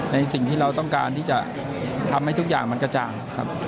ในสิ่งที่เราต้องการที่จะทำให้ทุกอย่างมันกระจ่างครับ